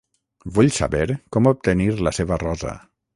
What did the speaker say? Vull saber com obtenir la seva rosa.